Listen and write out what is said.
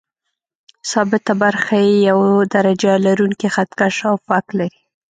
ثابته برخه یې یو درجه لرونکی خط کش او فک لري.